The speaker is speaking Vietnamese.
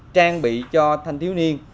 trang bị cho thanh thiếu niên